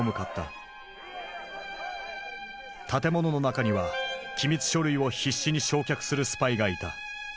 建物の中には機密書類を必死に焼却するスパイがいた。